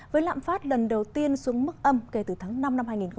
với lạm phát lần đầu tiên xuống mức âm kể từ tháng năm năm hai nghìn một mươi tám